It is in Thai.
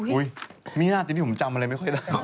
อุ๊ยมีหน้าที่ที่ผมจำอะไรไม่ค่อยได้